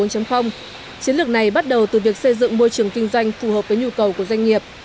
chiến lược này bắt đầu từ việc xây dựng môi trường kinh doanh phù hợp với nhu cầu của doanh nghiệp